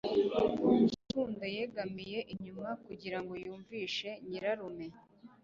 Rukundo yegamiye inyuma kugirango yumvishe nyirarume